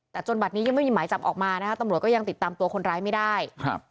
แต่จนบัดนี้ยังไม่มีหมายจับออกมานะคะตำรวจก็ยังติดตามตัวคนร้ายไม่ได้ครับ